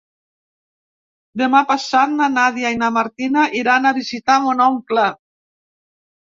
Demà passat na Nàdia i na Martina iran a visitar mon oncle.